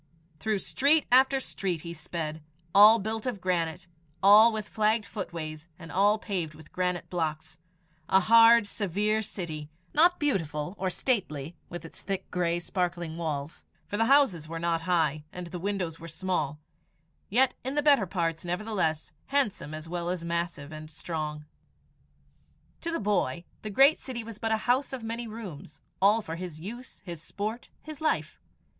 Through street after street he sped all built of granite, all with flagged footways, and all paved with granite blocks a hard, severe city, not beautiful or stately with its thick, grey, sparkling walls, for the houses were not high, and the windows were small, yet in the better parts, nevertheless, handsome as well as massive and strong. To the boy the great city was but a house of many rooms, all for his use, his sport, his life.